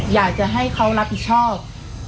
อยากจะให้เขารับผิดชอบ